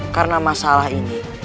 karena masalah ini